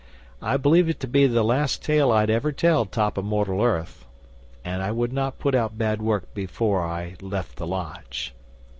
I believed it to be the last tale I'd ever tell top of mortal earth, and I would not put out bad work before I left the Lodge.